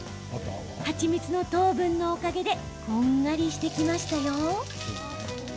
蜂蜜の糖分のおかげでこんがりしてきました。